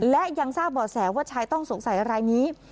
และยังทราบบ่อแสว่าชายต้องสงสัยรายนี้